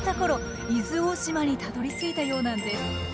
伊豆大島にたどりついたようなんです。